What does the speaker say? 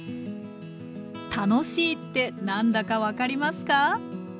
楽しいって何だか分かりますか？